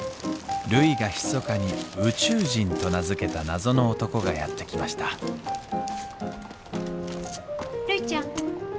るいがひそかに宇宙人と名付けた謎の男がやって来ましたるいちゃん。